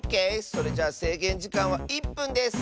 それじゃあせいげんじかんは１ぷんです！